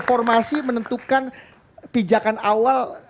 formasi menentukan pijakan awal